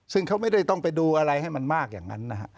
ซึ่งเขาไม่ได้ต้องไปดูอะไรให้มันมากอย่างนั้นนะฮะ